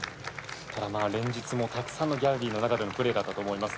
ただ連日、たくさんのギャラリーの中でのプレーだったと思います。